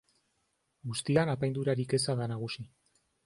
Guztian apaindurarik eza da nagusi.